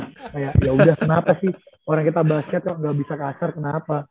kayak yaudah kenapa sih orang kita basket kok nggak bisa kasar kenapa